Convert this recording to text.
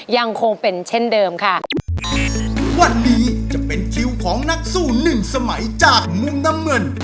ต้องเป็นเช่นเดิมค่ะ